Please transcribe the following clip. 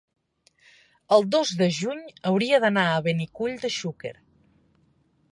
El dos de juny hauria d'anar a Benicull de Xúquer.